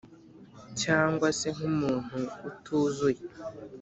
cyangwa se nk’umuntu utuzuye!”